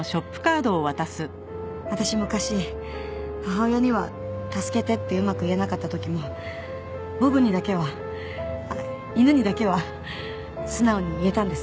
私昔母親には「助けて」ってうまく言えなかった時もボブにだけはあっ犬にだけは素直に言えたんです。